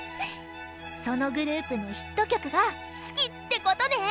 そのグループのヒット曲が「四季」ってことね！